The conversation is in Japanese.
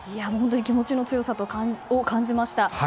気持ちの強さを感じました。